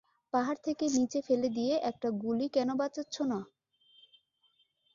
পাহাড় থেকে নীচে ফেলে দিয়ে একটা গুলি কেন বাঁচাচ্ছ না?